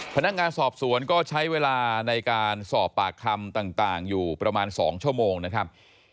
พนักงานสอบสวนก็ใช้เวลาในการสอบปากคำต่างอยู่ประมาณ๒ชั่วโมงนะครับ